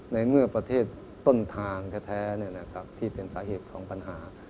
ในเมื่อประเทศต้นทางแท้ที่เป็นสาเหตุของปัญหา